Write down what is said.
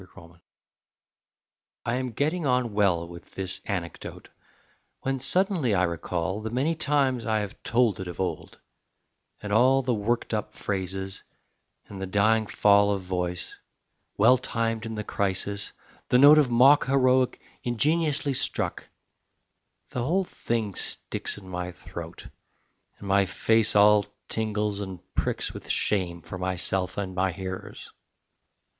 SOCIAL AMENITIES I am getting on well with this anecdote, When suddenly I recall The many times I have told it of old, And all the worked up phrases, and the dying fall Of voice, well timed in the crisis, the note Of mock heroic ingeniously struck The whole thing sticks in my throat, And my face all tingles and pricks with shame For myself and my hearers.